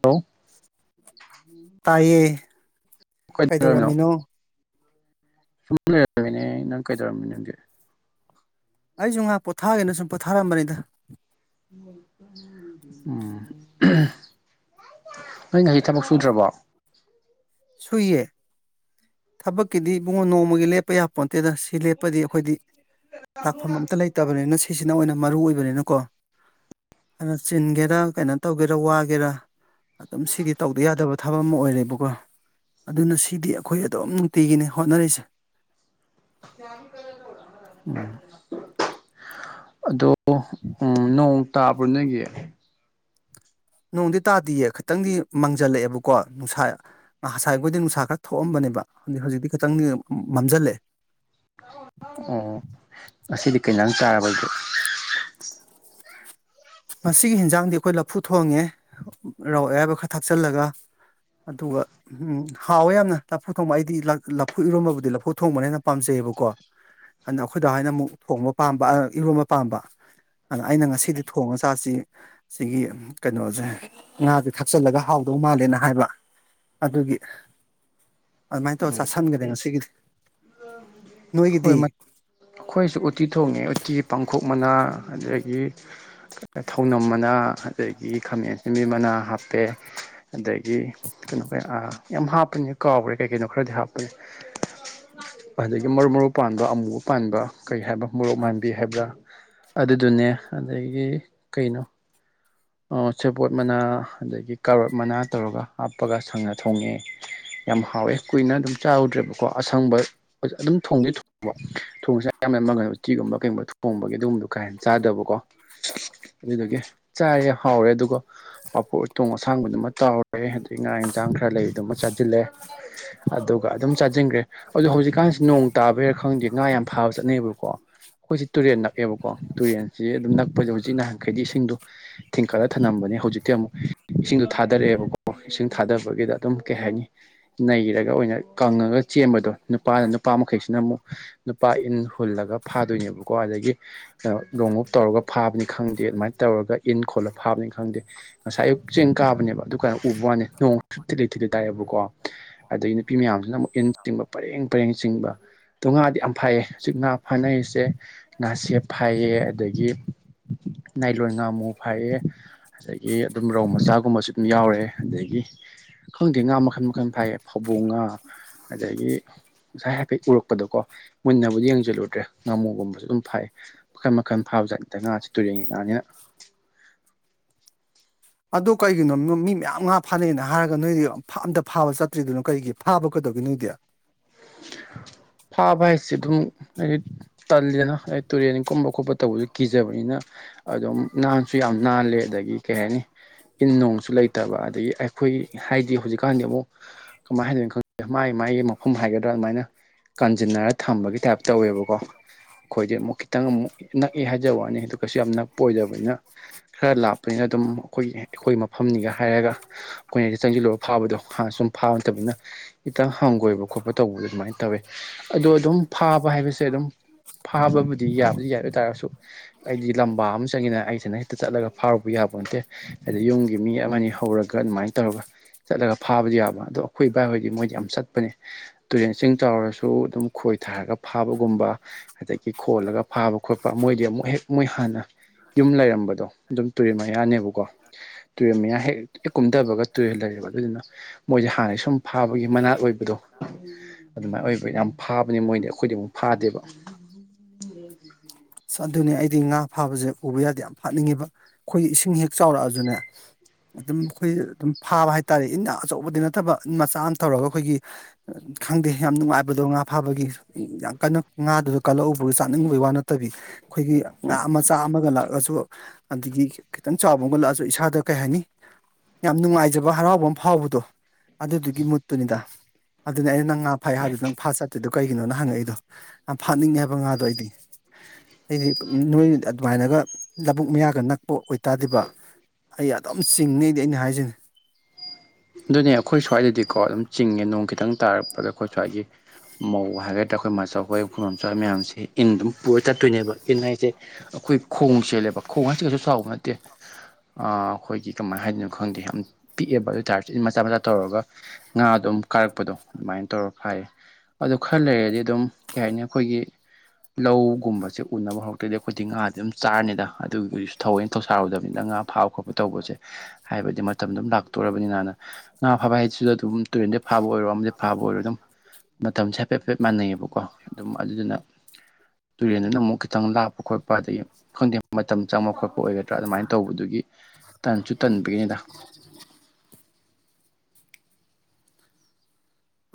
hello ꯇꯥꯏꯌꯦ ꯀꯣꯏꯅ ꯀꯩꯗꯧꯔꯝꯃꯤꯅꯣ ꯁꯨꯃꯅꯦ ꯅꯪ ꯀꯩ ꯇꯧꯔꯦ ꯑꯩꯁꯨ ꯉꯍꯥꯛ ꯄꯣꯊꯥꯒꯦꯅ ꯁꯨꯝ ꯄꯣꯊꯥꯔꯝꯕꯅꯤꯗ ꯎꯝ ꯅꯣꯏ ꯉꯍꯁꯤ ꯊꯕꯛ ꯁꯨꯗ꯭ꯔꯕꯣ ꯁꯨꯏꯌꯦ ꯊꯕꯛ ꯀꯗꯤ ꯅꯣꯡꯃꯒꯂꯦ ꯄꯩꯌꯥꯄꯣꯟ ꯇꯗꯁ ꯁꯤ ꯂꯦꯞꯄꯗꯤ ꯑꯩꯈꯣꯏꯗꯤ ꯂꯥꯛꯐꯝ ꯑꯝꯇ ꯂꯩꯇꯕꯅꯤꯅ ꯁꯤꯁꯤꯅ ꯑꯣꯏꯅ ꯃꯔꯨ ꯑꯣꯏꯕꯅꯤꯅꯀꯣ ꯑꯗꯨꯅ ꯆꯤꯟꯒꯦꯔ ꯀꯩꯅꯣ ꯇꯧꯒꯦꯔꯥ ꯋꯥꯒꯦꯔ ꯑꯗꯨꯝ ꯁꯤꯗꯤ ꯇꯧꯗ ꯌꯥꯗꯕ ꯊꯕꯛ ꯑꯃ ꯑꯣꯏꯔꯦꯕꯀꯣ ꯑꯗꯨꯅ ꯁꯤꯗꯤ ꯑꯩꯈꯣꯏ ꯑꯗꯨꯝ ꯅꯨꯡꯇꯤꯒꯤꯅꯤ ꯍꯣꯠꯅꯔꯤꯁꯦ [unintelligible] ꯑꯗꯣ ꯎꯝ ꯅꯣꯡ ꯇꯥꯕ꯭ꯔꯣ ꯅꯒꯤ ꯅꯣꯡꯗꯤ ꯇꯥꯗꯌꯦ ꯈꯤꯇꯪꯗꯤ ꯃꯥꯡꯖꯜꯂꯛꯑꯦꯕꯀꯣ ꯅꯨꯡꯁꯥ ꯉꯁꯥꯏꯈꯣꯏꯗꯤ ꯅꯨꯡꯁꯥ ꯈꯔ ꯊꯣꯛꯑꯝꯕꯅꯤ ꯕ ꯍꯧꯖꯤꯛꯇꯤ ꯇꯪ ꯃꯝꯁꯤꯜꯂꯦ ꯑꯣ ꯉꯁꯤꯗꯤ ꯀꯩꯩꯅꯪ ꯆꯥꯔꯕꯗ ꯃꯁꯤꯒꯤ ꯍꯟꯖꯥꯡꯗꯤ ꯑꯩꯈꯣꯏ ꯂꯐꯨ ꯊꯣꯡꯉꯦ ꯔꯥꯎ ꯑꯌꯥꯏꯕ ꯈꯔ ꯊꯥꯛꯆꯤꯜꯂꯒ ꯑꯗꯨꯒ ꯍꯥꯎꯋꯦ ꯌꯥꯝꯅ ꯂꯐꯨ ꯊꯣꯡꯕ ꯑꯩꯗꯤ ꯂꯐꯨ ꯏꯔꯣꯝꯕꯕꯨꯗꯤ ꯂꯐꯨ ꯊꯣꯡꯕꯅ ꯍꯦꯟꯅ ꯄꯥꯝꯖꯩ ꯕꯨꯀꯣ ꯑꯗꯨꯗ ꯑꯩꯈꯣꯏꯗ ꯍꯥꯏꯅ ꯑꯃꯨꯛ ꯊꯣꯡꯕ ꯄꯥꯝꯕ ꯏꯔꯣꯟꯝꯕ ꯄꯥꯝꯕ ꯑꯗꯨꯗ ꯑꯩꯅ ꯉꯁꯤꯗꯤ ꯊꯣꯡ ꯑꯁꯁꯤ ꯁꯤꯒꯤ ꯀꯩꯅꯣꯁꯦ ꯉꯥꯁꯦ ꯊꯛꯆꯜꯂꯒ ꯍꯥꯎꯗꯧ ꯃꯥꯜꯂꯦꯅ ꯍꯥꯏꯕ ꯑꯗꯨꯒꯤ ꯑꯗꯨꯃꯥꯏꯅ ꯇꯧꯔ ꯆꯥꯁꯟꯒꯗꯦ ꯉꯁꯤꯒꯤꯗꯤ ꯍꯣꯏ ꯅꯣꯏꯒꯤꯗꯤ ꯑꯩꯈꯣꯏꯁꯨ ꯎꯇꯤ ꯊꯣꯡꯉꯦ ꯎꯇꯤ ꯄꯥꯡꯈꯣꯛ ꯃꯅꯥ ꯑꯗꯒꯤ ꯊꯧꯅꯝ ꯃꯅꯥ ꯑꯗꯒꯤ ꯈꯥꯃꯦꯟ ꯃꯅꯥ ꯍꯥꯞꯄꯦ ꯑꯗꯒꯤ ꯀꯩꯅꯣ ꯀꯩ ꯌꯥꯝ ꯍꯥꯞꯄꯅꯤ ꯀꯥꯎꯈ꯭ꯔꯦ ꯀꯩ ꯀꯩꯅꯣ ꯈꯔꯗꯤ ꯍꯥꯞꯄꯅꯤ ꯑꯗꯒꯤ ꯃꯔꯨ ꯃꯔꯨ ꯄꯥꯟꯕ ꯑꯃꯨꯕ ꯄꯥꯟꯕ ꯀꯔꯤ ꯍꯥꯏꯕ ꯃꯣꯔꯣꯛ ꯃꯥꯟꯕꯤ ꯍꯥꯏꯕ꯭ꯔꯥ ꯑꯗꯨꯗꯨꯅꯦ ꯑꯗꯒꯤ ꯀꯩꯅꯣ [unintelligible] ꯁꯦꯄꯣꯠ ꯃꯅꯥ ꯑꯗꯒꯤ ꯀꯥꯔꯠ ꯃꯅꯥ ꯇꯧꯔꯒ ꯍꯥꯞꯄꯒ ꯁꯪꯅ ꯊꯣꯡꯉꯦ ꯌꯥꯝ ꯍꯥꯎꯋꯦ ꯀꯨꯏꯅ ꯑꯗꯨꯝ ꯆꯥꯍꯧꯗ꯭ꯔꯦꯕꯀꯣ ꯑꯁꯪꯕ ꯑꯗꯨꯝ ꯊꯣꯡꯗꯤ ꯊꯣꯡꯕ ꯊꯣꯡꯁꯦ ꯌꯥꯝꯅ ꯀꯒꯨꯝꯕ ꯀꯩꯒꯨꯝꯕ ꯊꯣꯡꯕꯒꯤ ꯑꯗꯨꯒꯨꯝꯕꯗꯣ ꯀꯥꯍꯦꯟꯅ ꯆꯥꯗꯕꯀꯣ ꯑꯗꯨꯗꯒꯤ ꯆꯥꯔꯦ ꯍꯥꯎꯔꯦ ꯑꯗꯨꯒ ꯄꯄꯣ ꯎꯇꯣꯡ ꯑꯁꯥꯡꯕꯗꯨꯃ ꯇꯥꯎꯔꯦ ꯑꯩ ꯉꯔꯥꯡ ꯏꯟꯁꯥꯡ ꯈꯔ ꯂꯩꯕꯗꯨꯃ ꯆꯥꯁꯤꯜꯂꯦ ꯑꯗꯨꯒ ꯑꯗꯨꯝ ꯆꯥꯁꯤꯟꯈ꯭ꯔꯦ ꯑꯗꯨ ꯍꯧꯖꯤꯛꯀꯥꯟꯁꯤ ꯅꯣꯡ ꯇꯥꯕꯩꯔꯥ ꯈꯪꯗꯦ ꯉꯥ ꯌꯥꯝ ꯐꯥꯕ ꯆꯠꯅꯩꯌꯦꯕꯀꯣ ꯑꯩꯈꯣꯏꯁꯦ ꯇꯨꯔꯦꯟ ꯅꯛꯑꯦꯕꯀꯣ ꯇꯨꯔꯦꯟꯁꯦ ꯑꯗꯨꯝ ꯅꯛꯄꯁꯦ ꯍꯧꯖꯤꯛ ꯅꯍꯥꯟꯈꯩꯗꯤ ꯏꯁꯤꯡꯗꯣ ꯊꯤꯡꯀꯠꯂ ꯊꯝꯂꯝꯝꯕꯅꯦ ꯍꯧꯖꯤꯛꯇꯤ ꯑꯃꯨꯛ ꯏꯁꯤꯡꯗꯣ ꯊꯥꯗꯔꯛꯑꯦꯕꯀꯣ ꯏꯁꯤꯡ ꯊꯥꯗꯕꯒꯤꯗ ꯑꯗꯨꯝ ꯀꯩ ꯍꯥꯏꯅꯤ ꯅꯩꯔꯒ ꯑꯣꯏꯅ ꯀꯪꯉꯒ ꯆꯦꯟꯕꯗꯣ ꯅꯨꯄꯥꯅ ꯅꯨꯄꯥ ꯃꯈꯩꯁꯤꯅ ꯑꯃꯨꯛ ꯅꯨꯄꯥ ꯏꯟ ꯍꯨꯜꯂꯒ ꯐꯥꯗꯣꯏꯅꯦꯕꯀꯣ ꯑꯗꯒꯤ ꯂꯣꯡ ꯑꯣꯞ ꯇꯧꯔꯒ ꯐꯥꯕꯅꯤ ꯈꯪꯗꯦ ꯑꯗꯨꯃꯥꯏꯅ ꯇꯧꯔꯒ ꯏꯟ ꯈꯣꯠꯂ ꯐꯥꯕꯅꯤ ꯈꯪꯗꯦ ꯉꯁꯥꯏ ꯑꯌꯨꯛ ꯆꯦꯡ ꯀꯥꯕꯅꯦꯕ ꯑꯗꯨ ꯀꯥꯏꯅ ꯎꯕ ꯋꯥꯅꯤ ꯅꯣꯡ ꯁꯨ ꯊꯤꯂꯩ ꯊꯤꯂꯩ ꯇꯥꯏꯑꯦꯕꯀꯣ ꯑꯗꯒꯤ ꯅꯨꯄꯤ ꯃꯌꯥꯝꯁꯤꯅ ꯑꯃꯨꯛ ꯏꯟ ꯆꯤꯡꯕ ꯄꯔꯦꯡ ꯄꯔꯦꯡ ꯆꯤꯡꯕ ꯇꯣꯉꯥꯗꯤ ꯌꯥꯝ ꯐꯥꯏꯌꯦ ꯍꯧꯖꯤꯛ ꯉꯥ ꯐꯥꯅꯔꯤꯁꯦ ꯉꯥꯁꯦ ꯐꯥꯏꯩꯌꯦ ꯑꯗꯒꯤ ꯅꯥꯏꯂꯣꯟꯣꯟ ꯉꯥꯃꯨꯛ ꯐꯥꯏꯑꯦ ꯑꯗꯒꯤ ꯑꯗꯨꯝ ꯔꯧ ꯃꯆꯥꯒꯨꯝꯕꯁꯨ ꯑꯗꯨꯝ ꯌꯥꯎꯔꯦ ꯑꯗꯒꯤ ꯈꯪꯗꯦ ꯉꯥ ꯃꯈꯥ ꯀꯔꯝ ꯈꯝ ꯐꯥꯏ ꯐꯕꯣꯡꯉꯥ ꯑꯗꯒꯤ ꯉꯁꯥꯏ ꯍꯥꯏꯐꯦꯠ ꯎꯔꯛꯄꯗꯀꯣ ꯃꯨꯟꯅꯕꯨꯗꯤ ꯌꯦꯡꯁꯤꯜꯂꯨꯗ꯭ꯔꯦ ꯉꯥꯃꯨꯒꯨꯝꯕꯁꯨ ꯑꯗꯨꯝ ꯐꯥꯛꯦ ꯃꯈꯜ ꯃꯈꯜ ꯐꯥꯕꯖꯥꯠ ꯅꯠꯇ꯭ꯔ ꯉꯥꯁꯤ ꯇꯨꯔꯦꯟꯒꯤ ꯉꯥꯅꯤꯅ ꯑꯗꯣ ꯀꯩꯒꯤꯅꯣ ꯃꯤ ꯃꯌꯥꯝ ꯉꯥ ꯐꯥꯅꯩꯅ ꯍꯥꯏꯔꯒ ꯅꯣꯏꯗꯤ ꯑꯝꯇ ꯐꯥꯕ ꯆꯠꯇ꯭ꯔꯤꯗꯨꯅꯣ ꯀꯔꯤꯒꯤ ꯐꯥꯕ ꯒꯅꯤꯗ [unintelligible] ꯐꯥꯕ ꯍꯥꯏꯁꯤꯦ ꯑꯗꯨꯝ ꯑꯩ ꯇꯜꯂꯦꯅ ꯑꯩ ꯇꯨꯔꯦꯟ ꯀꯨꯝꯕ ꯈꯣꯠꯄ ꯇꯧꯕꯗ ꯀꯤꯖꯕꯅꯤꯅ ꯑꯗꯨꯝ ꯅꯥꯟꯁꯨ ꯌꯥꯝ ꯅꯥꯜꯂꯦ ꯑꯗꯒꯤ ꯀꯩ ꯍꯥꯏꯅꯤ ꯏꯟ ꯅꯣꯡꯁꯨ ꯂꯩꯇꯕ ꯑꯗꯒꯤ ꯑꯩꯈꯣꯏ ꯍꯥꯏꯗꯤ ꯍꯧꯖꯤꯛꯀꯥꯟꯗꯤ ꯑꯃꯨꯛ ꯀꯃꯥꯏꯅ ꯍꯥꯏꯗꯣꯏꯅ ꯈꯪꯦ ꯃꯒꯤ ꯃꯥꯏꯒꯤ ꯃꯐꯝ ꯍꯥꯏꯒꯗ꯭ꯔꯥ ꯈꯔ ꯑꯗꯨꯃꯥꯏꯅ ꯀꯟꯁꯤꯟꯅꯔ ꯊꯝꯕꯒꯤ ꯇꯥꯏꯞ ꯇꯧꯋꯦꯕꯀꯣ ꯑꯩꯈꯣꯏꯗꯤ ꯑꯃꯨꯛ ꯈꯤꯇꯪ ꯑꯃꯨꯛ ꯅꯛꯑꯦ ꯍꯥꯏꯖꯕ ꯋꯥꯅꯤ ꯑꯗꯨ ꯀꯩꯁꯨ ꯌꯥꯝ ꯅꯛꯄ ꯑꯣꯏꯗꯕꯅꯤꯅ ꯈꯔ ꯂꯥꯞ ꯅꯤꯅ ꯑꯗꯨꯝ ꯑꯩꯈꯣꯏꯒꯤ ꯑꯩꯈꯣꯏ ꯃꯐꯝꯅꯤꯒ ꯍꯥꯏꯔꯒ ꯑꯩꯈꯣꯏꯅꯗ ꯆꯪꯁꯤꯜꯂꯒ ꯐꯥꯕꯗꯣ ꯍꯥꯟꯅ ꯁꯨꯝ ꯐꯥꯕ ꯅꯠꯇꯕꯅꯤꯅ ꯏꯇꯪ ꯍꯪꯒꯣꯏꯕ ꯈꯣꯠꯄ ꯇꯧꯕ ꯑꯗꯨꯃꯥꯏꯅ ꯇꯧꯋꯦ ꯑꯗꯣ ꯑꯗꯨꯝ ꯐꯥꯕ ꯍꯥꯏꯕꯁꯦ ꯑꯗꯨꯝ ꯐꯥꯕꯕꯨꯗꯤ ꯌꯥꯕꯨꯗꯤ ꯌꯥꯗ ꯑꯣꯏꯇꯥꯥꯔꯁꯨ ꯑꯩꯗꯤ ꯂꯝꯕꯥ ꯑꯃ ꯆꯪꯉꯤꯅ ꯑꯩꯁꯤꯅ ꯍꯦꯛꯇ ꯆꯠꯂꯒ ꯐꯥꯎꯔꯨꯕ ꯌꯥꯕ ꯅꯠꯇꯦ ꯍꯥꯏꯗꯤ ꯌꯨꯝꯒꯤ ꯃꯤ ꯑꯃꯅꯤ ꯍꯧꯔꯒ ꯑꯗꯨꯃꯥꯏꯅ ꯇꯧꯔꯒ ꯆꯠꯂꯒ ꯐꯥꯕꯗꯤ ꯌꯥꯕ ꯑꯗꯣ ꯑꯩꯈꯣꯏ ꯏꯕꯥꯏ ꯍꯣꯏꯗꯤ ꯃꯣꯏꯗꯤ ꯌꯥꯝ ꯆꯠꯄꯅꯦ ꯇꯨꯔꯦꯟꯁꯤꯡꯤꯡ ꯆꯥꯎꯔꯁꯨ ꯑꯗꯨꯝ ꯈꯣꯏ ꯊꯥꯔꯒ ꯐꯥꯕꯒꯨꯝꯕ ꯑꯗꯒꯤ ꯈꯣꯜꯂꯒ ꯐꯥꯕ ꯈꯣꯠꯄ ꯃꯣꯏ ꯑꯣꯏ ꯃꯣꯏ ꯍꯦꯛ ꯃꯣꯏ ꯍꯥꯟꯅ ꯌꯨꯝ ꯂꯩꯔꯝꯕꯗꯣ ꯑꯗꯨꯝ ꯇꯨꯔꯦꯜ ꯃꯌꯥꯅꯦꯕꯀꯣ ꯇꯨꯔꯦꯜ ꯃꯌꯥ ꯍꯦꯛ ꯀꯨꯝꯊꯕꯒ ꯇꯨꯔꯦꯜ ꯂꯩꯔꯌꯦꯦꯕ ꯑꯗꯨꯗꯨꯅ ꯃꯣꯏꯁꯦ ꯍꯥꯟꯅꯩ ꯁꯨꯝ ꯐꯥꯕꯒꯤ ꯃꯅꯥꯛ ꯑꯣꯏꯕꯗꯣ ꯑꯗꯨꯃꯥꯏꯅ ꯑꯣꯏꯕ ꯌꯥꯝ ꯐꯥꯕꯅꯦ ꯃꯣꯏꯗꯤ ꯑꯩꯈꯣꯏꯗꯤ ꯑꯃꯨꯛ ꯐꯥꯗꯦꯕ ꯑꯁ ꯑꯗꯨꯅꯦ ꯑꯩꯗꯤ ꯉꯥ ꯐꯥꯕꯁꯦ ꯎꯕ ꯌꯥꯗꯦ ꯌꯥꯝ ꯐꯅꯤꯡꯉꯦꯕ ꯑꯩꯈꯣꯏ ꯏꯁꯤꯡ ꯍꯦꯛ ꯆꯥꯎꯔꯛꯑꯁꯨꯅꯦ ꯑꯗꯨꯝ ꯑꯩꯈꯣꯏ ꯑꯗꯨꯝ ꯐꯥꯕ ꯍꯥꯏꯇꯥꯥꯔꯦ ꯏꯟꯅ ꯑꯆꯧꯕꯗꯤ ꯅꯠꯇꯕ ꯃꯆꯥ ꯑꯃ ꯇꯧꯔꯒ ꯑꯩꯈꯣꯏꯒꯤ ꯈꯪꯗꯦ ꯌꯥꯝ ꯅꯨꯡꯉꯥꯏꯕꯗꯣ ꯉꯥ ꯐꯥꯕꯒꯤ ꯌꯥꯝ ꯀꯟꯅ ꯉꯥꯗꯨꯗ ꯀꯜꯂꯛꯎꯕ ꯆꯥꯅꯤꯡꯕꯒꯤ ꯋꯥꯅ ꯐꯠꯇꯕꯤ ꯑꯩꯈꯣꯏꯒꯤ ꯉꯥ ꯃꯆꯥ ꯑꯃꯒ ꯂꯥꯛꯑꯁꯨ ꯑꯗꯒꯤ ꯈꯤꯇꯪ ꯆꯥꯎꯕ ꯑꯃꯒ ꯂꯥꯛꯑꯁꯨ ꯏꯁꯥꯗ ꯀꯩ ꯍꯥꯏꯅꯤ ꯌꯥꯝ ꯅꯨꯡꯉꯥꯏꯖꯕ ꯍꯔꯥꯎꯕ ꯑꯃ ꯐꯥꯎꯕꯗꯣ ꯑꯗꯨꯗꯨꯒꯤ ꯃꯨꯠꯇꯨꯅꯤꯗ ꯑꯗꯨꯅꯦ ꯑꯩꯅ ꯅꯪ ꯉꯥ ꯐꯥꯏ ꯍꯥꯏꯕꯗꯨꯣ ꯅꯪ ꯐꯥ ꯆꯠꯇꯦꯗꯣ ꯀꯩꯒꯤꯅꯣꯅ ꯍꯪꯉꯛꯏꯗꯣ ꯐꯥꯠꯅꯤꯡꯉꯦ ꯍꯥꯏꯕ ꯉꯥꯗꯣ ꯑꯩꯗꯤ ꯑꯩꯗꯤ ꯅꯣꯏ ꯑꯗꯨꯃꯥꯏꯅꯒ ꯂꯧꯕꯨꯛ ꯃꯌꯥꯒ ꯅꯛꯄ ꯑꯣꯏꯇꯥꯗ꯭ꯔꯤꯕ ꯑꯩ ꯑꯗꯨꯝ ꯆꯤꯡꯅꯤꯩꯗꯤ ꯑꯩꯅ ꯍꯥꯏꯖꯅꯤ ꯑꯗꯨꯅꯦ ꯑꯩꯈꯣꯏ ꯁ꯭ꯋꯥꯏꯗꯗꯤꯀꯣ ꯑꯗꯨꯝ ꯆꯤꯡꯉꯦ ꯅꯣꯡ ꯈꯤꯇꯪ ꯇꯥꯔꯛꯄꯗ ꯑꯩꯈꯣꯏ ꯁ꯭ꯋꯥꯏꯒꯤ ꯃꯧ ꯍꯥꯏꯒꯗ꯭ꯔꯥ ꯑꯩꯈꯣꯏ ꯃꯆꯥ ꯑꯩꯣꯏ ꯈꯨꯅꯣꯝꯆꯥꯣꯏ ꯃꯌꯥꯝꯁꯦ ꯏꯟ ꯑꯗꯨꯝ ꯄꯨꯔ ꯆꯠꯇꯣꯏꯅꯦꯕ ꯏꯟ ꯍꯥꯏꯁꯦ ꯑꯩꯈꯣꯏ ꯈꯣꯡ ꯆꯦꯜꯂꯦꯕ ꯈꯣꯡ ꯍꯥꯏꯁꯤ ꯀꯩꯁꯨ ꯁꯥꯎꯕ ꯅꯠꯇꯦ ꯑꯩꯈꯣꯏꯒꯤ ꯀꯃꯥꯏꯅ ꯍꯥꯏꯗꯣꯏꯅꯣ ꯈꯪꯗꯦ ꯌꯥꯝ ꯄꯤꯛꯑꯦꯕ ꯑꯗꯨ ꯑꯣꯏꯇꯥꯔꯗꯤ ꯃꯆꯥ ꯃꯆꯥ ꯇꯧꯔꯒ ꯉꯥꯗꯣ ꯑꯗꯨꯝ ꯀꯥꯔꯛꯄꯗꯣ ꯑꯗꯨꯃꯥꯏꯅ ꯇꯧꯔ ꯐꯌꯦ ꯑꯗꯨ ꯈꯔ ꯂꯩꯔꯗꯤ ꯑꯗꯨꯝ ꯀꯩ ꯍꯥꯏꯅꯤ ꯑꯩꯈꯣꯏꯒꯤ ꯂꯧꯒꯨꯝꯕꯁꯦ ꯎꯅꯕ ꯍꯧꯔꯛꯇ꯭ꯔꯗꯤ ꯑꯩꯈꯣꯏꯗꯤ ꯉꯥꯗꯤ ꯑꯗꯨꯝ ꯆꯥꯔꯅꯤꯗ ꯑꯗꯨꯗꯨꯁꯨ ꯊꯧꯑꯣꯏꯅ ꯊꯧꯁꯥꯔꯨꯗꯕꯅꯤ ꯅꯪ ꯉꯥ ꯐꯥꯕ ꯈꯣꯠꯄ ꯇꯧꯕꯁꯦ ꯍꯥꯏꯕꯗꯤ ꯃꯇꯝꯗꯨꯝ ꯂꯥꯛꯇꯣꯔꯔꯕꯅꯤꯅꯅ ꯉꯥ ꯐꯥꯕ ꯍꯥꯏꯁꯤꯗ ꯑꯗꯨꯝ ꯇꯨꯔꯦꯟꯗ ꯐꯥꯕ ꯑꯣꯏꯔꯣ ꯑꯃꯗꯤ ꯐꯥꯕ ꯑꯣꯏꯔꯣ ꯑꯗꯨꯝ ꯃꯇꯝꯁꯦ ꯐꯦ ꯐꯦꯞ ꯃꯥꯟꯅꯩꯑꯕꯀꯣ ꯑꯗꯨꯝ ꯑꯗꯨꯗꯨꯅ ꯇꯨꯔꯦꯟꯗꯨꯅ ꯑꯃꯨꯛ ꯈꯤꯇꯪ ꯂꯥꯞꯄ ꯈꯣꯠꯄ ꯑꯗꯒꯤ ꯈꯪꯗꯦ ꯃꯇꯝ ꯆꯪꯕ ꯈꯣꯠꯄ ꯑꯣꯏꯒꯗ꯭ꯔꯥ ꯑꯗꯨꯃꯥꯏꯅ ꯇꯧꯕꯗꯨꯒꯤ ꯇꯟꯁꯨ ꯇꯟꯕꯒꯤꯅꯤꯗ [unintelligible]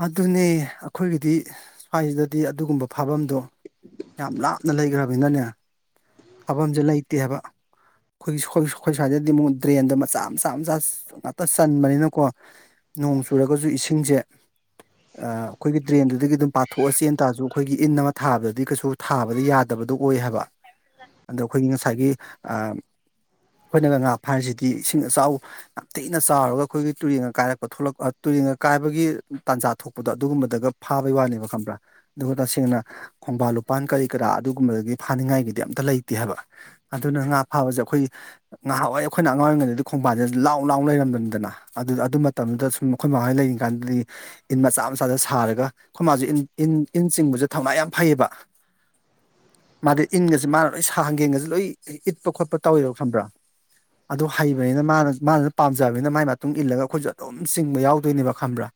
ꯑꯗꯨꯅꯦ ꯑꯩꯈꯣꯏꯒꯤꯗꯤ ꯁ꯭ꯋꯥꯏꯁꯤꯗꯗꯤ ꯑꯗꯨꯒꯨꯝꯕ ꯐꯥꯐꯝꯗꯣ ꯌꯥꯝ ꯂꯥꯞꯅ ꯂꯩꯈ꯭ꯔꯕꯅꯤꯅꯅꯦ ꯊꯐꯝꯁꯦ ꯂꯩꯇꯦ ꯍꯥꯏꯕ ꯑꯩꯈꯣꯏ ꯑꯩꯈꯣꯏ ꯁ꯭ꯋꯥꯏꯗꯗꯤ ꯑꯃꯨꯛ ꯗ꯭ꯔꯦꯟꯗꯣ ꯃꯆꯥ ꯃꯆꯥ ꯃꯆꯥ ꯉꯥꯛꯇ ꯆꯟꯕꯅꯤꯅꯀꯣ ꯅꯣꯡ ꯆꯨꯔꯒꯁꯨ ꯏꯁꯤꯡꯁꯦ ꯑꯩꯈꯣꯏꯒꯤ ꯇ꯭ꯔꯦꯟꯗꯨꯗꯒꯤ ꯑꯗꯨꯝ ꯄꯥꯊꯣꯛꯑꯁꯦꯅ ꯇꯥꯔꯁꯨ ꯑꯩꯈꯣꯏꯒꯤ ꯏꯟ ꯑꯃ ꯊꯥꯕꯗꯗꯤ ꯀꯩꯁꯨ ꯊꯥꯕꯗꯤ ꯌꯥꯗꯕ ꯑꯣꯏ ꯍꯥꯏꯕ ꯑꯗ ꯑꯩꯈꯣꯏꯒꯤ ꯉꯁꯥꯏꯒꯤ ꯑꯩꯈꯣꯏꯅꯒ ꯉꯥ ꯐ ꯍꯥꯏꯔꯤꯁꯤꯗꯤ ꯏꯁꯤꯡ ꯑꯆꯥꯎ ꯌꯥꯝ ꯊꯤꯅ ꯆꯥꯎꯔꯒ ꯑꯩꯈꯣꯏꯒꯤ ꯇꯨꯔꯦꯟꯒ ꯀꯥꯏꯔꯛꯄ ꯊꯣꯛꯂꯛꯄ ꯉ ꯀꯥꯏꯕꯒꯤ ꯇꯥꯟꯖꯥ ꯊꯣꯛꯄꯗꯣ ꯑꯗꯨꯒꯨꯝꯕꯗꯒ ꯐꯥꯕꯩ ꯋꯥꯅꯦꯕ ꯈꯪꯕ꯭ꯔꯥ ꯑꯗꯨꯒ ꯇꯁꯦꯡꯅ ꯊꯪꯕꯥꯜ ꯂꯨꯄꯥꯟ ꯀꯔꯤ ꯀꯔꯥ ꯑꯗꯨꯒꯨꯝꯕꯗꯒꯤ ꯐꯥꯅꯤꯡꯉꯥꯏꯒꯤꯅꯤ ꯑꯝꯇ ꯂꯩꯇꯦ ꯍꯥꯏꯕ ꯑꯗꯨꯅ ꯉꯥ ꯐꯥꯕꯁꯦ ꯑꯩꯈꯣꯏ ꯉꯍꯥꯋꯥ ꯑꯩꯈꯣꯏꯅ ꯑꯉꯥꯡ ꯑꯣꯏꯔꯤꯉꯩꯗꯗꯤ ꯈꯣꯡꯕꯥꯟꯁꯦ ꯂꯥꯎ ꯂ ꯂꯩꯔꯝꯅꯤꯗꯅ ꯑꯗꯨ ꯃꯇꯝꯗꯨꯗ ꯁꯨꯝ ꯑꯩꯣꯏ ꯃꯈ ꯂꯩꯔꯤ ꯀꯥꯟꯗꯗꯤ ꯏꯟ ꯃꯆꯥ ꯃꯆꯥꯗ ꯁꯥꯔꯒ ꯣꯏ ꯃꯥ ꯏꯟ ꯆꯤꯡꯕꯁꯦ ꯊꯧꯅꯥ ꯌꯥꯝ ꯐꯩꯌꯦꯕ ꯃꯥꯗꯤ ꯏꯟꯒꯁꯤꯦ ꯃꯥꯅ ꯂꯣꯏ ꯁꯥ ꯍꯥꯡꯒꯦꯡꯒꯁꯦ ꯂꯣꯏ ꯏꯠꯄ ꯈꯣꯠꯄ ꯇꯧꯋꯔꯣ ꯈꯕ꯭ꯔꯥ ꯑꯗꯨ ꯍꯩꯕꯅꯤꯅ ꯃꯥꯅ ꯃꯥꯅ ꯄꯥꯝꯖꯕꯅꯤꯅ ꯃꯒꯤ ꯃꯇꯨꯡ ꯏꯜꯂꯒ ꯑꯩꯈꯣꯏꯁꯨ ꯑꯗꯨꯝ ꯆꯤꯡꯕ ꯌꯥꯎꯗꯣꯏꯅꯦꯕ ꯈꯪꯕ꯭ꯔꯥ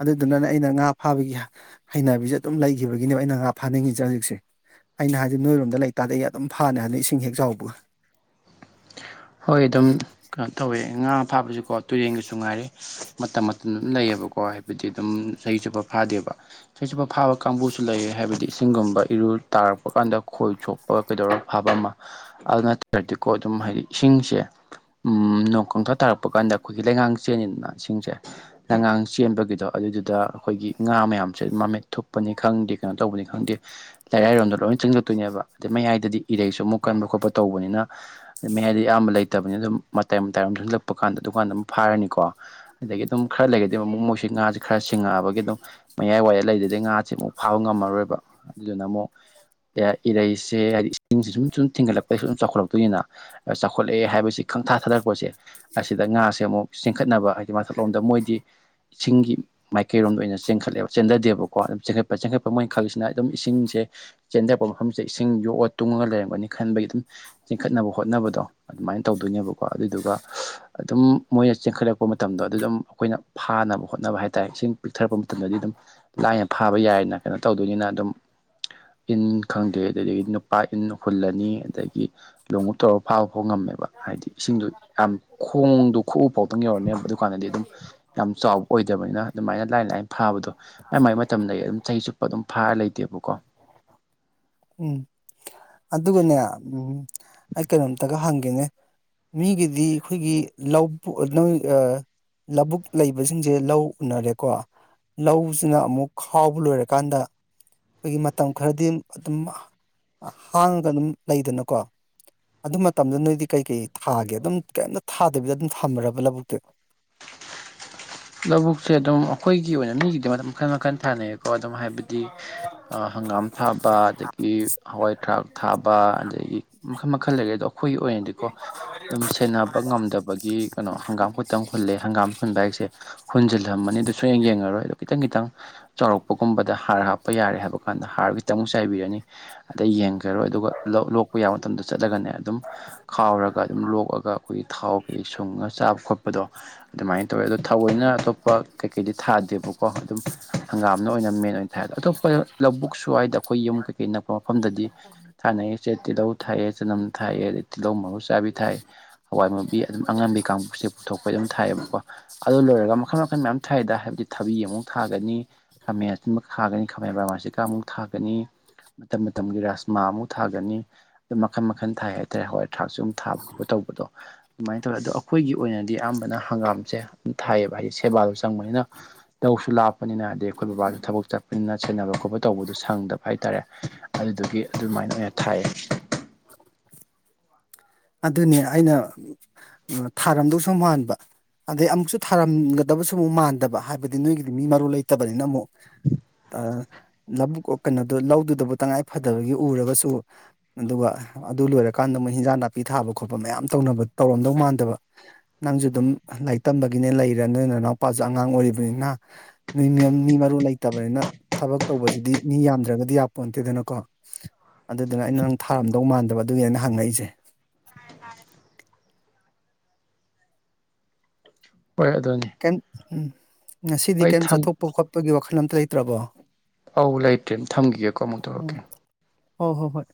ꯑꯗꯨꯗꯨꯅꯅꯦ ꯑꯩꯅ ꯉꯥ ꯐꯥꯕꯒꯤ ꯍꯩꯅꯕꯤꯁꯦ ꯑꯗꯨꯝ ꯂꯩꯈꯤꯕꯒꯤꯅꯦꯕ ꯑꯩꯅ ꯉꯥ ꯐꯥꯅꯤꯡꯉꯤꯁꯦ ꯍꯧꯖꯤꯛꯁꯦ ꯑꯩꯅ ꯍꯥꯏꯗꯤ ꯅꯣꯏꯔꯣꯝꯗ ꯂꯩꯇꯥꯥꯔꯗꯤ ꯑꯩ ꯑꯗꯨꯝ ꯐꯅꯤ ꯍꯥꯏꯅ ꯏꯁꯤꯡ ꯍꯦꯛ ꯆꯥꯎꯕꯒ ꯍꯣꯏ ꯑꯗꯨꯝ ꯀꯩꯅꯣ ꯇꯧꯋꯦ ꯉꯥ ꯐꯥꯕꯁꯨꯀꯣ ꯇꯨꯔꯦꯟꯒꯁꯨ ꯉꯥꯏꯔꯦ ꯃꯇꯝ ꯃꯇꯝ ꯑꯗꯨꯝ ꯂꯩꯌꯦꯕꯀꯣ ꯍꯥꯏꯕꯗꯤ ꯑꯗꯨꯝ ꯆꯍꯤ ꯆꯨꯞꯄ ꯐꯥꯗꯦꯕ ꯁꯤꯁꯤꯐ ꯐꯥꯕ ꯀꯥꯡꯕꯨꯁꯨ ꯂꯩꯔ ꯍꯥꯏꯕꯗꯤ ꯏꯁꯤꯡꯒꯨꯝꯕ ꯏꯔꯨ ꯇꯥꯔꯛꯄ ꯀꯥꯟꯗ ꯈꯣꯏ ꯆꯣꯛꯄ ꯑꯩ ꯀꯩꯗꯧꯔꯒ ꯐꯕ ꯑꯃ ꯑꯗꯨ ꯅꯠꯇ꯭ꯔꯗꯤꯀꯣ ꯑꯗꯨꯝ ꯍꯥꯏꯗꯤ ꯏꯁꯤꯡꯁꯦ ꯎꯝ ꯅꯣꯡ ꯀꯣꯡꯊꯥ ꯇꯥꯔꯛꯄ ꯀꯥꯟꯗ ꯑꯩꯈꯣꯏꯒꯤ ꯂꯩꯉꯥꯡ ꯆꯦꯟꯜꯂꯤꯗꯅ ꯁꯤꯡꯁꯦ ꯂꯩꯉꯥꯡ ꯆꯦꯟꯕꯒꯤꯗꯣ ꯑꯗꯨꯏꯗꯨꯗ ꯑꯩꯈꯣꯏꯒꯤ ꯉꯥ ꯃꯌꯥꯝꯁꯦ ꯃꯃꯤꯠ ꯊꯨꯞꯄꯅꯤ ꯈꯪꯗꯦ ꯀꯩꯅꯣ ꯇꯧꯕꯅꯤ ꯈꯪꯗꯦ ꯂꯩꯔꯥꯏꯔꯣꯝꯗ ꯂꯣꯏꯅ ꯆꯤꯡ ꯆꯛꯇꯣꯏꯅꯦꯕ ꯑꯗꯩ ꯃꯌꯥꯏꯗꯗꯤ ꯏꯔꯩꯁꯨ ꯑꯃꯨꯛ ꯀꯟꯕ ꯈꯣꯠꯄ ꯇꯧꯕꯅꯤꯅ ꯃ ꯍꯥꯏꯗꯤ ꯑꯌꯥꯝꯕ ꯂꯩꯇꯕꯅꯤꯅ ꯑꯗꯨꯝ ꯃꯇꯥꯏ ꯃꯇꯥꯏꯔꯣꯝ ꯆꯜꯂꯛꯄ ꯀꯥꯟꯗ ꯗꯨꯀꯥꯟꯗ ꯑꯗꯨꯝ ꯐꯥꯔꯅꯤꯀꯣ ꯑꯗꯒꯤ ꯑꯗꯨꯝ ꯈꯔ ꯂꯩꯒꯗꯤ ꯑꯃꯨꯛ ꯃꯣꯏꯁꯤ ꯉꯥꯥꯁꯦ ꯈꯔ ꯁꯤꯡꯉꯛꯑꯕꯒꯤ ꯑꯗꯨꯝ ꯃꯌꯥꯏ ꯋꯥꯏ ꯂꯩꯗꯗꯤ ꯉꯥꯁ ꯑꯃꯨꯛ ꯐꯥꯕ ꯉꯝꯃꯔꯣꯏꯕ ꯑꯗꯨꯗꯨꯅ ꯑꯃꯨꯛ ꯏꯔꯩꯁꯦ ꯍꯥꯏꯗꯤ ꯏꯁꯤꯡꯁꯦ ꯁꯨꯝ ꯁꯨꯝ ꯊꯤꯡꯒꯠꯂꯛꯄꯁꯨ ꯁꯨꯝ ꯆꯥꯎꯈꯠꯂꯛꯇꯣꯏꯅꯤꯅ ꯆꯥꯎꯈꯠꯂꯛꯑꯦ ꯍꯥꯏꯕꯁꯤ ꯈꯪ ꯊꯥꯊꯔꯛꯄꯁꯦ ꯑꯁꯤꯗ ꯉꯥꯁꯦ ꯑꯃꯨꯛ ꯆꯤꯡꯈꯠꯅꯕ ꯍꯥꯏꯗꯤ ꯃꯊꯛꯂꯣꯝꯗ ꯃꯣꯏꯗꯤ ꯏꯁꯤꯡꯒꯤ ꯃꯥꯏꯀꯩꯔꯣꯝꯗ ꯑꯣꯏꯅ ꯆꯦꯟꯈꯠꯂꯦꯕ ꯆꯦꯟꯊꯗꯦꯕꯀꯣ ꯑꯗꯨꯝ ꯆꯦꯟꯈꯠꯄ ꯆꯦꯟꯈꯠꯄ ꯃꯣꯏꯅ ꯈꯛꯁꯤꯅ ꯑꯗꯨꯝ ꯏꯁꯤꯡꯁꯦ ꯆꯦꯟꯊꯔꯛꯄ ꯃꯐꯝꯁꯗꯦ ꯏꯁꯤꯡ ꯌꯣꯛꯑ ꯇꯨꯡꯉꯒ ꯂꯩꯔꯝꯒꯅꯤ ꯈꯟꯕꯒꯤ ꯑꯗꯨꯝ ꯆꯤꯡꯈꯠꯅꯕ ꯍꯣꯠꯅꯕꯗ [unintelligible] ꯁꯃꯥꯏꯅ ꯇꯧꯗꯣꯏꯅꯦꯕꯀꯣ ꯑꯗꯨꯗꯨꯒ ꯑꯗꯨꯝ ꯃꯣꯏꯅ ꯆꯦꯟꯈꯠꯂꯛꯄ ꯃꯇꯝꯗꯣ ꯑꯗꯨ ꯑꯗꯨꯝ ꯑꯩꯈꯣꯏꯅ ꯐꯥꯅꯕ ꯍꯣꯠꯅꯕ ꯍꯥꯏ ꯇꯔꯦ ꯏꯁꯤꯡ ꯄꯤꯛꯊꯔꯛꯄ ꯃꯇꯝꯗꯗꯤ ꯑꯗꯨꯝ ꯂꯥꯏꯅ ꯐꯥꯕ ꯌꯥꯏꯅ ꯀꯩꯅꯣ ꯇꯧꯗꯣꯏꯅꯤꯅ ꯑꯗꯨꯝ ꯏꯟ ꯈꯪꯗꯦ ꯑꯗꯨꯗꯒꯤ ꯅꯨꯄꯥ ꯏꯟ ꯍꯨꯜꯂꯅꯤ ꯑꯗꯒꯤ ꯂꯨꯃꯨꯛ ꯇꯧꯔꯛ ꯐꯥꯕ ꯐꯥꯎ ꯉꯝꯃꯦꯕ ꯍꯥꯏꯗꯤ ꯏꯁꯤꯡꯗꯣ ꯌꯥꯝ ꯈꯣꯡꯗꯣ ꯈꯨꯣꯛꯎ ꯐꯥꯎꯗꯪ ꯌꯧꯔꯅꯦꯕ ꯑꯗꯨꯀꯥꯟꯗꯗꯤ ꯑꯗꯨꯝ ꯌꯥꯝ ꯆꯥꯎꯕ ꯑꯣꯏꯗꯕꯅꯤꯅ ꯑꯗꯨꯃꯥꯏꯅ ꯂꯥꯏꯟ ꯂꯥꯏꯅ ꯐꯥꯕꯗꯣ ꯃꯥꯏ ꯃꯥꯏ ꯃꯇꯝꯗꯒꯤ ꯑꯗꯨꯝ ꯆꯍꯤ ꯆꯨꯞꯄ ꯑꯗꯨꯝ ꯐꯥꯔ ꯂꯩꯇꯦꯕ ꯄꯨꯀꯣ [unintelligible] ꯎꯝ ꯑꯗꯨꯒꯅꯦ ꯎꯝ ꯑꯩ ꯀꯩꯅꯣꯝꯇꯒ ꯍꯪꯒꯦꯅꯦ ꯃꯤꯒꯤꯗꯤ ꯑꯩꯈꯣꯏꯒꯤ [unintelligible] ꯂꯧꯕꯨꯛ ꯂꯩꯕꯁꯤꯡꯁꯦ ꯂꯧ ꯎꯅꯔꯦꯀꯣ ꯂꯧꯁꯤꯅ ꯑꯃꯨꯛ ꯈꯥꯎꯕ ꯂꯣꯏꯔꯀꯥꯟꯗ ꯑꯩꯈꯣꯏꯒꯤ ꯃꯇꯝ ꯈꯔꯗꯤ ꯑꯗꯨꯝ ꯍꯥꯡꯉꯒ ꯑꯗꯨꯝ ꯂꯩꯗꯅꯀꯣ ꯑꯗꯨ ꯃꯇꯝꯗ ꯅꯣꯏꯗꯤ ꯀꯩꯀꯩ ꯊꯥꯒꯦ ꯑꯗꯨꯝ ꯀꯩꯝꯇ ꯊꯥꯗꯕꯤꯗ ꯑꯗꯨꯝ ꯊꯝꯕꯔ꯭ ꯕ ꯂꯧꯕꯨꯛꯇꯨ [inaudible] ꯂꯧꯕꯨꯛꯁꯦ ꯑꯗꯨꯝ ꯑꯩꯈꯣꯏꯒꯤ ꯑꯣꯏꯅ ꯃꯤꯒꯤꯗꯃꯛ ꯃꯈꯟ ꯃꯈꯟ ꯊꯥꯅꯩꯌꯦꯀꯣ ꯑꯗꯨꯝ ꯍꯥꯏꯕꯗꯤ ꯍꯪꯒꯥꯝ ꯊꯥꯕ ꯑꯗꯒꯤ ꯍꯋꯥꯏ ꯊꯔꯥꯛ ꯊꯥꯕ ꯑꯗꯒꯤ ꯃꯈꯜ ꯃꯈꯜ ꯂꯩꯔꯦ ꯑꯣ ꯑꯩꯈꯣꯏꯒꯤ ꯑꯣꯏꯅꯗꯤꯀꯣ ꯑꯗꯨꯝ ꯁꯦꯟꯅꯕ ꯉꯝꯗꯕꯒꯤ ꯀꯩꯅꯣ ꯍꯪꯒꯥꯝ ꯈꯨꯛꯇꯪ ꯍꯨꯜꯂꯦ ꯍꯪꯒꯥꯝ ꯍꯨꯟꯕꯁꯦ ꯍꯨꯟꯖꯤꯜꯂꯝꯃꯅꯤ ꯑꯗꯨ ꯁꯨꯡꯌꯦꯡ ꯌꯦꯡꯉꯔꯣꯏ ꯑꯗꯨ ꯈꯤꯇꯪ ꯈꯤꯇꯪ ꯆꯥꯎꯔꯛꯄꯒꯨꯝꯕꯗ ꯍꯥꯔ ꯍꯥꯞꯄ ꯌꯥꯔꯦ ꯍꯥꯏꯕ ꯀꯥꯟꯗ ꯗ ꯍꯥꯔ ꯈꯤꯇꯪ ꯑꯃꯨꯛ ꯆꯥꯏꯕꯤꯔꯅꯤ ꯗ ꯌꯦꯡꯒꯔ꯭ ꯔꯣꯏ ꯑꯗꯨꯒ ꯂꯣꯛꯄ ꯌꯥꯕ ꯃꯇꯝꯗ ꯆꯠꯂꯒꯅꯦ ꯑꯗꯨꯝ ꯈꯥꯎꯔꯒ ꯑꯗꯨꯝ ꯂꯣꯛꯑꯒ ꯑꯩꯈꯣꯏꯒꯤ ꯊꯥꯎ ꯑꯩꯈꯣꯏꯒꯤ ꯁꯨꯡꯉ ꯆꯥꯕ ꯈꯣꯠꯄꯗꯣ ꯑꯗꯨꯃꯥꯏꯅ ꯇꯧꯋꯦ ꯑꯗꯣ ꯊꯧꯑꯣꯏꯅ ꯑꯇꯣꯞꯄ ꯀꯩꯀꯩꯗꯤ ꯊꯥꯗꯦꯕꯀꯣ ꯑꯗꯨꯝ ꯍꯪꯒꯥꯝꯅ ꯑꯣꯏꯅ ꯃꯦꯟ ꯑꯣꯏꯅ ꯊꯥꯏꯌꯦ ꯑꯇꯣꯞꯄ ꯂꯧꯕꯨꯛ ꯁꯋ꯭ꯥꯏꯗ ꯑꯩꯈꯣꯏ ꯌꯨꯝ ꯀꯩꯀꯩ ꯅꯛꯄ ꯃꯐꯝꯗꯗꯤ ꯊꯥꯅꯩꯁꯦ ꯇꯤꯜꯍꯧ ꯊꯥꯏꯌꯦ ꯆꯅꯝ ꯊꯥꯏꯌꯦ ꯑꯗꯩ ꯇꯤꯜꯍꯧ ꯃꯔꯨ ꯆꯥꯕꯤ ꯊꯥꯏ ꯍꯋꯥꯏ ꯃꯨꯕꯤ ꯑꯗꯨꯝ ꯑꯉꯝꯕꯤ ꯀꯥꯡꯕꯨꯁꯦ ꯄꯨꯊꯣꯛꯄꯩ ꯑꯗꯨꯝ ꯊꯥꯏꯌꯦꯕꯀꯣ ꯑꯗꯨ ꯂꯣꯏꯔꯒ ꯃꯈꯜ ꯃꯈꯜ ꯃꯌꯥꯝ ꯊꯥꯏꯗ ꯍꯥꯏꯕꯗꯤ ꯊꯕꯤ ꯑꯃꯨꯛ ꯊꯥꯒꯅꯤ ꯈꯥꯃꯦꯟ ꯑꯁꯤꯟꯕ ꯊꯥꯒꯅꯤ ꯈꯥꯃꯦꯟ ꯍꯧꯖꯤꯀ ꯑꯃꯨꯛ ꯊꯥꯒꯅꯤ ꯃꯇꯝ ꯃꯇꯝꯒꯤ ꯔꯥꯖꯃꯥ ꯑꯃꯨꯛ ꯊꯥꯒꯅꯤ ꯑꯗꯨꯝ ꯃꯈꯟ ꯃꯈꯟ ꯊꯥꯏ ꯍꯥꯏꯇꯥꯔꯦ ꯍꯋꯥꯏ ꯊꯔ꯭ ꯥꯛꯁꯨ ꯑꯗꯨꯝ ꯊꯥꯕ ꯈꯣꯠꯄ ꯇꯧꯕ ꯗꯣ ꯑꯗꯨꯃꯥꯏꯅ ꯇꯧꯋꯦ ꯑꯗꯣ ꯑꯩꯈꯣꯏꯒꯤ ꯑꯣꯏꯅꯗꯤ ꯑꯌꯥꯝꯕꯅ ꯍꯪꯒꯥꯝꯖꯦ ꯊꯥꯏꯌꯦꯕ ꯍꯥꯏꯗꯤ ꯁꯦꯕꯥꯗꯣ ꯆꯪꯕꯅꯤꯅ ꯇꯧꯁꯨ ꯂꯥꯞꯄꯅꯤꯅ ꯍꯥꯏꯗꯤ ꯑꯩꯈꯣꯏ ꯕꯕꯥꯁꯨ ꯊꯕꯛ ꯆꯠꯄꯅꯤꯅ ꯁꯦꯟꯅꯕ ꯈꯣꯠꯄ ꯇꯧꯕꯗꯣ ꯁꯪꯗꯕ ꯍꯥꯏꯇꯥꯔꯦ ꯑꯗꯨꯗꯨꯒꯤ ꯑꯗꯨꯃꯥꯏꯅ ꯊꯥꯏꯌꯦ [inaudible] ꯑꯗꯨꯅꯦ ꯑꯩꯅ ꯊꯥꯔꯝꯗꯧ ꯁꯨ ꯃꯥꯟꯕ ꯑꯗꯩ ꯑꯃꯨꯛꯁꯨ ꯊꯥꯔꯝꯒꯗꯕꯁꯨ ꯑꯃꯨꯛ ꯃꯥꯟꯗꯕ ꯍꯥꯏꯕꯗꯤ ꯅꯣꯏꯒꯤꯗꯤ ꯃꯤ ꯃꯔꯨ ꯂꯩꯇꯕꯅꯤꯅ ꯑꯃꯨꯛ ꯂꯧꯕꯨꯛ ꯀꯩꯅꯣ ꯂꯧꯗꯨꯗꯕꯨ ꯇꯉꯥꯏ ꯐꯗꯕꯒꯤ ꯎꯔꯒꯁꯨ ꯑꯗꯨꯒ ꯑꯗꯨ ꯂꯣꯏꯔꯀꯥꯟꯗ ꯃꯨꯛ ꯍꯤꯟꯖꯥꯡ ꯅꯥ ꯄꯤ ꯊꯥꯕ ꯈꯣꯠꯄ ꯃꯌꯥꯝ ꯇꯧꯅꯕ ꯇꯧꯔꯝꯗꯧ ꯃꯥꯟꯗꯕ ꯅꯪꯖꯨ ꯑꯗꯨꯝ ꯂꯥꯏꯔꯤꯛ ꯇꯝꯕꯒꯤꯅꯦ ꯂꯩꯔ ꯅ ꯅꯅꯥꯎꯄꯥꯖꯨ ꯑꯉꯥꯡ ꯑꯣꯏꯔꯤꯕꯅꯤꯅ ꯃꯤ ꯃꯔꯨ ꯂꯩꯇꯕꯅꯤꯅ ꯊꯕꯛ ꯇꯧꯕꯖꯤꯗꯤ ꯃꯤ ꯌꯥꯝꯅ ꯌꯥꯝꯗ꯭ꯔꯒꯗꯤ ꯌꯥꯄꯣꯠꯇꯦꯗꯅꯀꯣ ꯑꯗꯨꯗꯨꯅ ꯑꯩꯅ ꯅꯪ ꯊꯥꯔꯝꯗꯧ ꯃꯥꯟꯗꯕ ꯑꯗꯨꯒꯤꯅꯦ ꯑꯩꯅ ꯍꯪꯉꯛꯏꯁꯦ ꯎꯝ ꯇꯥꯔꯦ ꯍꯣꯏ ꯑꯗꯨꯅꯤ ꯀꯩꯝ ꯉꯁꯤꯗꯤ ꯍꯣꯏ ꯀꯔꯤꯝ ꯊꯝ ꯆꯠꯊꯣꯛꯄ ꯈꯣꯠꯄꯒꯤ ꯋꯥꯈꯜ ꯑꯝꯇ ꯂꯩꯇ꯭ꯔꯕꯣ ꯑꯧ ꯂꯩꯇ꯭ꯔꯦ ꯊꯝꯈꯤꯒꯦ ꯀꯣ ꯑꯃꯨꯛ ꯇꯧꯔꯛꯀꯦ ꯍꯣꯏ ꯍꯣꯏ ꯍꯣꯏ